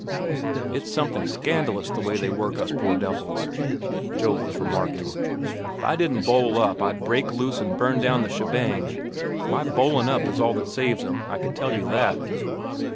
"It's something scandalous the way they work us poor devils," Joe was remarking. "If I didn't bowl up, I'd break loose an' burn down the shebang. My bowlin' up is all that saves 'em, I can tell you that."